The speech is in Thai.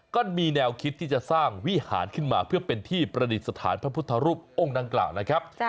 ก็มีแนวคิดที่จะสร้างวิหารขึ้นมาเพื่อเป็นที่ประดิษฐานพระพุทธรูปองค์ดังกล่าวนะครับ